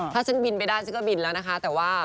ถ้าฉันบินไปได้ฉันก็บินแล้วนะคะแต่ว่า